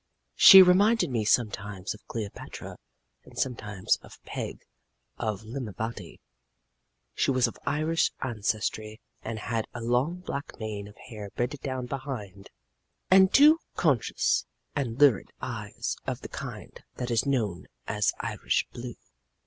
She reminded me sometimes of Cleopatra and sometimes of Peg of Limmavaddy. She was of Irish ancestry and had a long black mane of hair braided down behind, and two conscious and lurid eyes of the kind that is known as Irish blue.